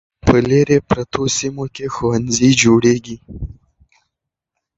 په لیرې پرتو سیمو کې ښوونځي جوړیږي.